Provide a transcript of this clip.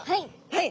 はい。